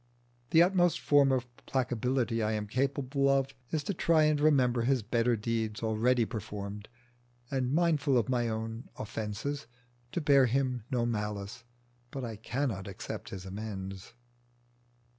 The utmost form of placability I am capable of is to try and remember his better deeds already performed, and, mindful of my own offences, to bear him no malice. But I cannot accept his amends.